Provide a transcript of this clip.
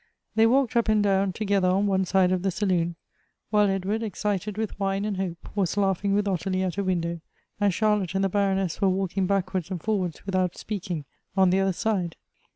They walked up and down together on one side of the saloon, while Ed ward, excited with wine and hope, was laughing with Ottilie at a window, and Charlotte and the Baroness were walking backwards and forwards, without speaking, on the other side.